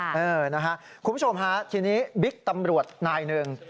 คุณผู้ชมฮะทีนี้บิ๊กตำรวจนายหนึ่ง